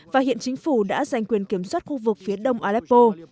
và hiện chính phủ đã giành quyền kiểm soát khu vực phía đông aleppo